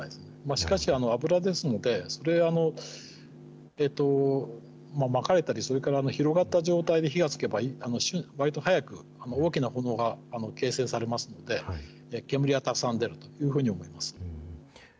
しかし、油ですので、まかれたり、それから広がった状態で火がつけば、わりと早く大きな炎が形成されますので、煙はたくさん出るというふうに思います。